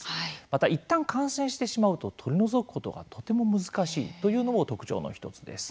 また一旦感染してしまうと取り除くことがとても難しいというのも特徴の一つです。